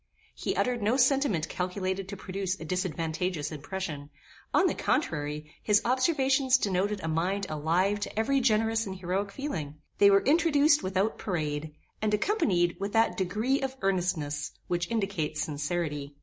He uttered no sentiment calculated to produce a disadvantageous impression: on the contrary, his observations denoted a mind alive to every generous and heroic feeling. They were introduced without parade, and accompanied with that degree of earnestness which indicates sincerity.